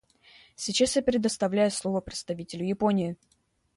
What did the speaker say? Сейчас я предоставляю слово представителю Японии.